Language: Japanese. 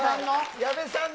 矢部さんの？